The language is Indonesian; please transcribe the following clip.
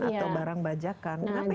atau barang bajakan